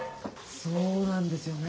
そうなんですよね。